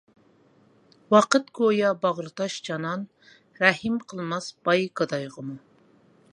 ۋاقىت گويا باغرى تاش جانان، رەھىم قىلماس باي، گادايغىمۇ.